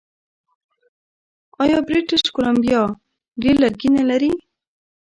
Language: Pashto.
آیا بریټیش کولمبیا ډیر لرګي نلري؟